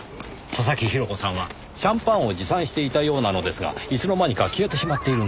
佐々木広子さんはシャンパンを持参していたようなのですがいつの間にか消えてしまっているんです。